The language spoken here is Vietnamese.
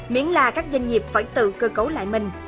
miễn là các doanh nghiệp phải tự cơ cấu lại mình